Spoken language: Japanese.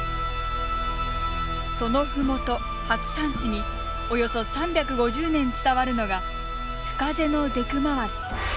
その麓、白山市におよそ３５０年伝わるのが「深瀬のでくまわし」。